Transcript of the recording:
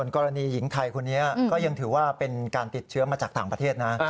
กรณีหญิงไทยคนนี้ก็ยังถือว่าเป็นการติดเชื้อมาจากต่างประเทศนะ